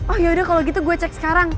oh ya udah kalau gitu gue cek sekarang